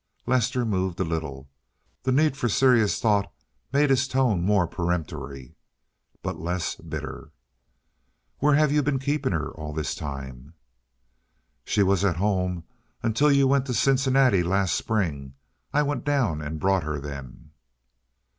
Lester moved a little. The need for serious thought made his tone more peremptory but less bitter. "Where have you been keeping her all this time?" "She was at home until you went to Cincinnati last spring. I went down and brought her then."